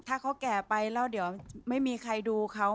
ถ้าเขาแก่ไปแล้วเดี๋ยวไม่มีใครดูเขา